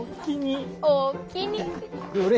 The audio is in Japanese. どれ？